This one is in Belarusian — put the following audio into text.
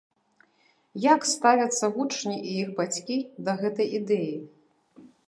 Як ставяцца вучні і іх бацькі да гэтай ідэі?